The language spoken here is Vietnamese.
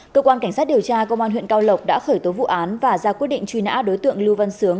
cơ quan cảnh sát điều tra công an huyện cao lộc đã khởi tố vụ án và ra quyết định truy nã đối tượng lưu văn sướng